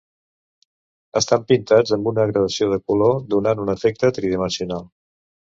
Estan pintats amb una gradació de color, donant un efecte tridimensional.